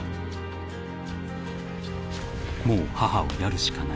［もう母をやるしかない］